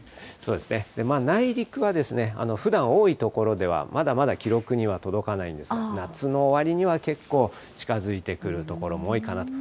内陸はふだん多い所では、まだまだ記録には届かないんですが、夏の終わりには結構、近づいてくる所も多いかなと。